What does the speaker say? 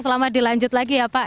selamat dilanjut lagi ya pak